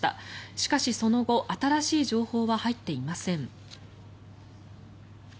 しかしその後、新しい情報は入っていません。